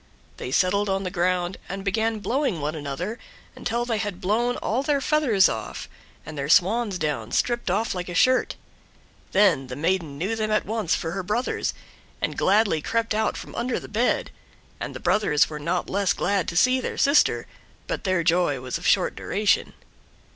They settled on the ground and began blowing one another until they had blown all their feathers off, and their swan's down stripped off like a shirt. Then the maiden knew them at once for her brothers, and gladly crept out from under the bed, and the brothers were not less glad to see their sister, but their joy was of short duration.